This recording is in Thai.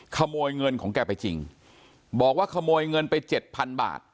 ขโมยเงินของแกไปจริงบอกว่าขโมยเงินไปเจ็ดพันบาท